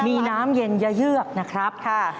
มีน้ำเย็นเยื่อกนะครับ